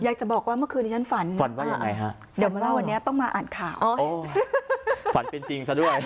อยากจะบอกว่าเมื่อคืนนี้ฉันฝันฝันว่ายังไงฮะเดี๋ยวมาเล่าวันนี้ต้องมาอ่านข่าวฝันเป็นจริงซะด้วย